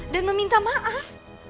dan meminta maaf